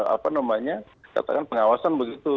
apa namanya katakan pengawasan begitu